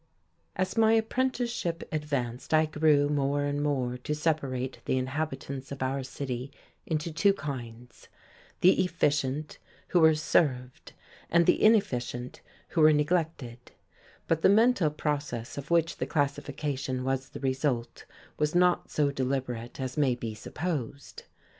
As my apprenticeship advanced I grew more and more to the inhabitants of our city into two kinds, the who were served, and the inefficient, who were separate efficient, neglected; but the mental process of which the classification was the result was not so deliberate as may be supposed.